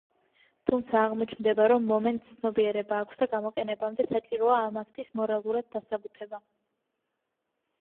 თუმცა აღმოჩნდება, რომ „მომენტს“ ცნობიერება აქვს და გამოყენებამდე საჭიროა ამ აქტის მორალურად დასაბუთება.